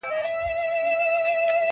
د آواز کیسې یې ولاړې تر ملکونو -